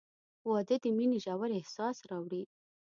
• واده د مینې ژور احساس راوړي.